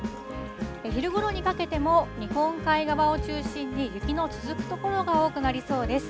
昼ごろにかけても、日本海側を中心に雪の続く所が多くなりそうです。